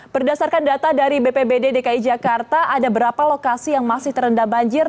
berdasarkan data dari bpbd dki jakarta ada berapa lokasi yang masih terendam banjir